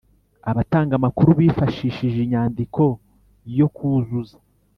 Abatanga amakuru bifashishije inyandiko yo kuzuza